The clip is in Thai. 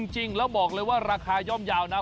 จริงแล้วบอกเลยว่าราคาย่อมเยาวนะ